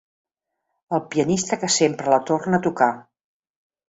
El pianista que sempre la torna a tocar.